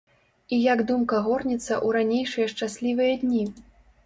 І як думка горнецца ў ранейшыя шчаслівыя дні.